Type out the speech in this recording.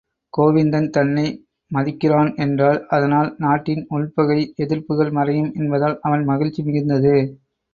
கோவிந்தன் தன்னை மதிக்கிறான் என்றால் அதனால் நாட்டின் உள்பகை, எதிர்ப்புகள் மறையும் என்பதால் அவன் மகிழ்ச்சி மிகுந்தது.